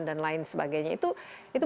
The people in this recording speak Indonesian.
dan lain sebagainya itu